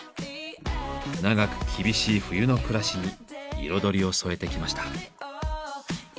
長く厳しい冬の暮らしに彩りを添えてきました。